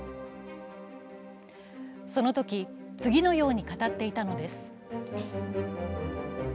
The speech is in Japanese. その時、次のように語っていたのです。